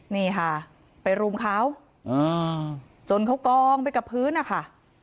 นี่ค่ะไปรุมเขาจนเขากองไปกับพื้นนะคะ